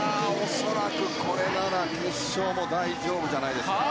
恐らく、これなら決勝も大丈夫じゃないですかね。